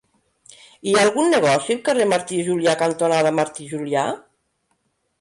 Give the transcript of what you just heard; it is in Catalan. Hi ha algun negoci al carrer Martí i Julià cantonada Martí i Julià?